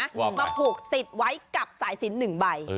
มาผูกติดไว้กับสายสิน๑ใบ